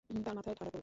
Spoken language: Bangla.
তার মাথায় ঠাডা পরুক!